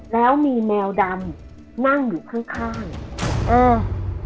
แล้วมีแมวดำนั่งอยู่ข้างข้างอ่า